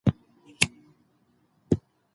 افغانستان د جلګه د پلوه ځانته ځانګړتیا لري.